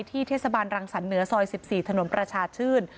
เทศบาลรังสรรคเหนือซอย๑๔ถนนประชาชื่น